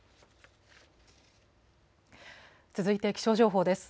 続いて気象情報です。